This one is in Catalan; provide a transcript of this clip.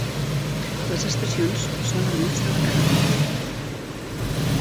Les estacions són al mig de la carretera.